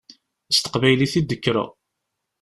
S teqbaylit i d-kkreɣ.